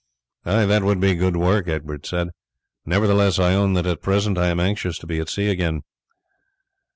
"That would be good work," Egbert said; "nevertheless I own that at present I am anxious to be at sea again."